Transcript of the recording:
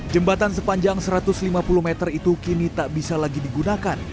jembatan sepanjang satu ratus lima puluh meter itu kini tak bisa lagi digunakan